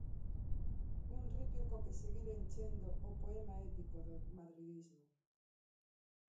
Un ripio co que seguir enchendo o poema épico do madridismo.